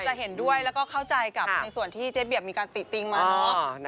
จะเห็นด้วยแล้วก็เข้าใจกับในส่วนที่เจ๊เบียบมีการติติงมาเนอะ